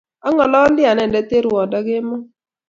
Ang'alali anende eng' ruondo kemoi